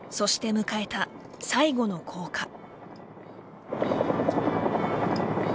そして迎えた最後の降下。